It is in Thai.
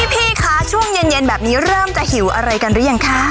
พี่คะช่วงเย็นแบบนี้เริ่มจะหิวอะไรกันหรือยังคะ